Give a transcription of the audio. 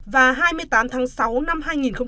và hai mươi tám tháng sáu năm hai nghìn một mươi chín